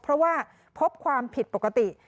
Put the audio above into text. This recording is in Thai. เพราะว่าพบความผิดปกติ